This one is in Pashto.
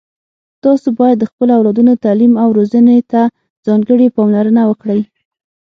تاسو باید د خپلو اولادونو تعلیم او روزنې ته ځانګړي پاملرنه وکړئ